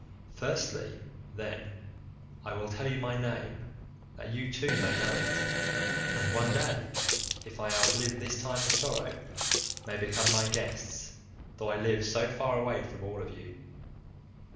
"Firstly, then, I will tell you my name that you too may know it, and one day, if I outlive this time of sorrow, may become my guests though I live so far away from all of you.